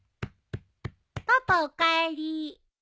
パパおかえり。